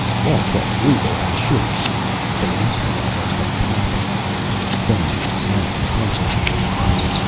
All quite legal, I assure you. They left me almost a pauper!" Then he snapped the punchline at me.